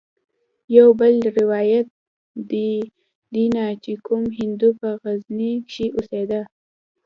يو بل روايت ديه چې کوم هندو په غزني کښې اوسېده.